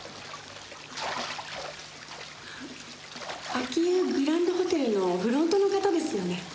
秋保グランドホテルのフロントの方ですよね？